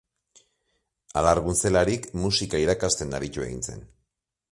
Alargun zelarik, musika irakasten aritu egin zen.